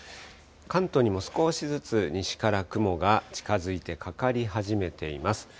関東にも少しずつ、西から雲が近づいて、かかり始めています。